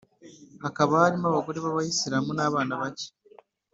hakaba harimo abagore b Abisilamu n abana bake